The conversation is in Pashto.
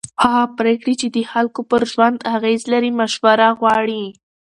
هغه پرېکړې چې د خلکو پر ژوند اغېز لري مشوره غواړي